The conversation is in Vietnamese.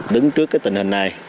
đứng trước cái tình hình này